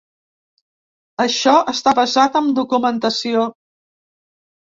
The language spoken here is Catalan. Això està basat amb documentació.